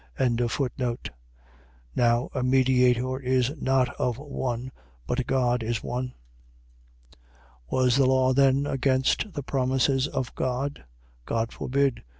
3:20. Now a mediator is not of one: but God is one. 3:21. Was the law then against the promises of God: God forbid!